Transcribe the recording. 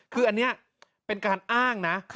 คืออันนี้เป็นการอ้างนะ